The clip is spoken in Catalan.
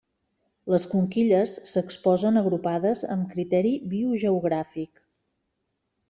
Les conquilles s'exposen agrupades amb criteri biogeogràfic.